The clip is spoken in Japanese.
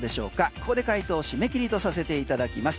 ここで解答締め切りとさせていただきます。